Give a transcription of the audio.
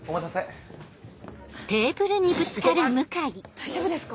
大丈夫ですか？